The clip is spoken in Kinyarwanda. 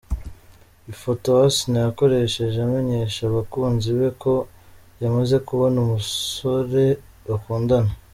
Ifoto Asinah yakoresheje amenyesha abakunzi be ko yamaze kubona umusore bakundana.